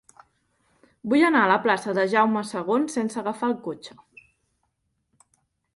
Vull anar a la plaça de Jaume II sense agafar el cotxe.